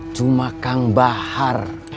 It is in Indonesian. cuma kang bahar